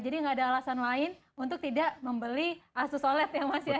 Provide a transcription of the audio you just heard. jadi nggak ada alasan lain untuk tidak membeli asus oled ya mas ya